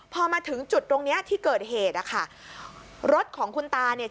พอมาถึงจุดตรงเนี้ยที่เกิดเหตุอ่ะค่ะรถของคุณตาเนี่ย